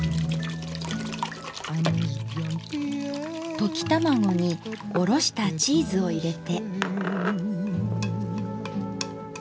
溶き卵におろしたチーズを入れて。